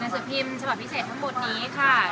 สือพิมพ์ฉบับพิเศษทั้งหมดนี้ค่ะ